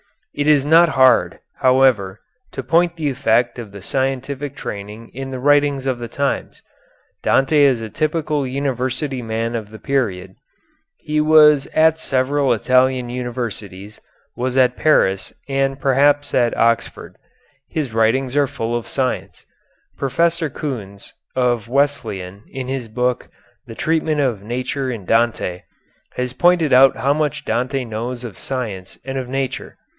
It is not hard, however, to point the effect of the scientific training in the writings of the times. Dante is a typical university man of the period. He was at several Italian universities, was at Paris and perhaps at Oxford. His writings are full of science. Professor Kühns, of Wesleyan, in his book "The Treatment of Nature in Dante," has pointed out how much Dante knows of science and of nature.